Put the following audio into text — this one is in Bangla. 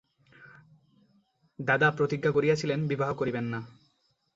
দাদা প্রতিজ্ঞা করিয়াছিলেন, বিবাহ করিবেন না।